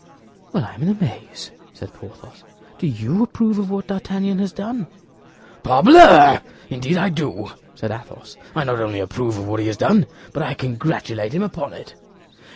"Well, I am in a maze," said Porthos; "do you approve of what D'Artagnan has done?" "Parbleu! Indeed I do," said Athos; "I not only approve of what he has done, but I congratulate him upon it."